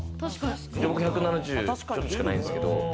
僕、１７０ちょっとしかないんですけど。